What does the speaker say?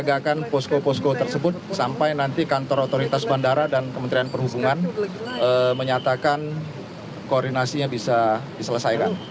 kita jagakan posko posko tersebut sampai nanti kantor otoritas bandara dan kementerian perhubungan menyatakan koordinasinya bisa diselesaikan